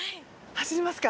走りますか。